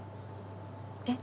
えっ？